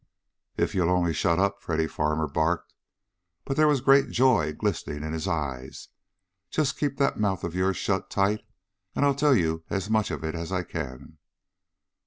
"If you'll only shut up!" Freddy Farmer barked, but there was great joy glistening in his eyes. "Just keep that mouth of yours shut tight, and I'll tell you as much of it as I can."